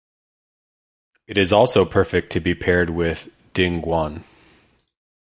It is also perfect to be paired with dinuguan.